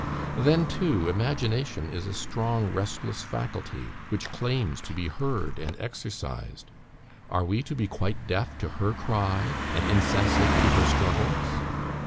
Then, too, imagination is a strong, restless faculty, which claims to be heard and exercised: are we to be quite deaf to her cry, and insensate to her struggles?